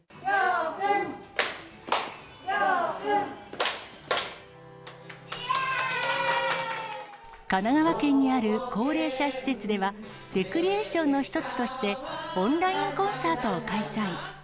りょう君、神奈川県にある高齢者施設では、レクリエーションの一つとしてオンラインコンサートを開催。